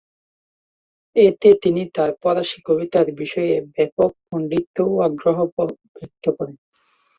এতে তিনি তার ফরাসি কবিতার বিষয়ে ব্যাপক পাণ্ডিত্য ও আগ্রহ ব্যক্ত করেন।